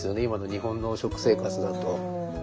今の日本の食生活だと。